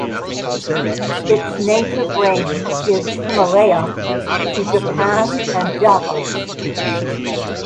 Its native range is Himalaya to Japan and Java.